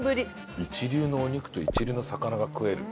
一流のお肉と一流の魚が食える。